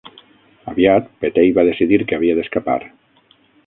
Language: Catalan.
Aviat, Petey va decidir que havia d'escapar.